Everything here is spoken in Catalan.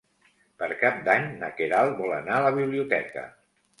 Per Cap d'Any na Queralt vol anar a la biblioteca.